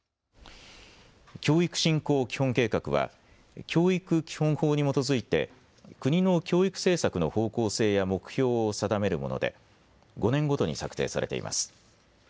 教育振興基本計画は教育基本法に基づいて国の教育政策の方向性や目標を定めるもので５年ごとに策定されています。